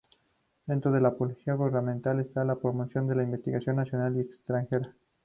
Dentro de las políticas gubernamentales está la promoción a la inversión nacional y extranjera.